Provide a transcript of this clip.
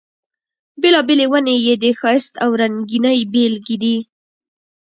بېلابېلې ونې یې د ښایست او رنګینۍ بېلګې دي.